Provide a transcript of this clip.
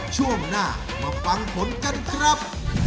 ช่วงหน้ามาฟังผลกันครับ